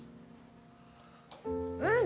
うん。